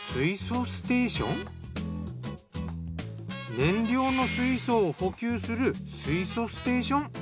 燃料の水素を補給する水素ステーション。